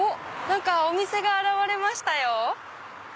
何かお店が現れましたよ。